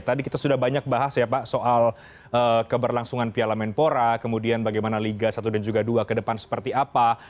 tadi kita sudah banyak bahas ya pak soal keberlangsungan piala menpora kemudian bagaimana liga satu dan juga dua ke depan seperti apa